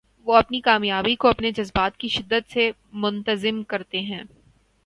وہ اپنی کامیابی کو اپنے جذبات کی شدت سے منتظم کرتے ہیں۔